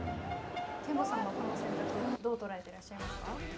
憲剛さんは、この選択、どう捉えてらっしゃいますか。